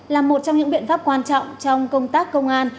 là một trong những biện pháp quan trọng trong công tác công an